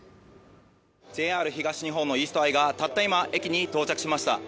ＪＲ東日本のイーストアイがたった今駅に到着しました